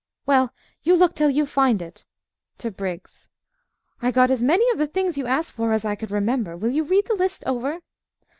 Well, you look till you find it. (To Briggs) I got as many of the things you asked for as I could remember. Will you read the list over?